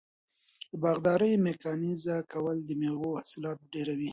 د باغدارۍ میکانیزه کول د میوو حاصلات ډیروي.